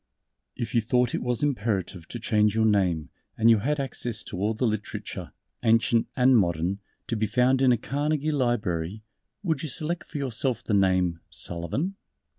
"_ If you thought it was imperative to change your name and you had access to all the Literature Ancient and Modern to be found in a Carnegie Library, would you select for yourself the name "Sullivan?"